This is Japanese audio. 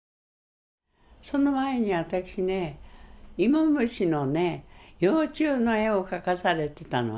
その前に私ね芋虫のね幼虫の絵を描かされてたの。